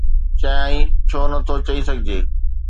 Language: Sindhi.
چيائين: ڇو نٿو چئي سگهجي؟